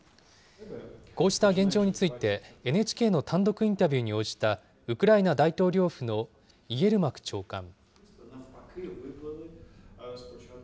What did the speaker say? こうした現状について、ＮＨＫの単独インタビューに応じた、ウクライナ大統領府のイエルマク長官。